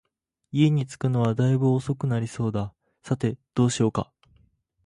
家に着くのは大分遅くなりそうだ、さて、どうしようか